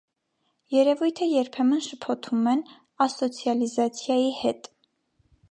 Երևույթը երբեմն շփոթում են ասոցիալիզացիայի հետ։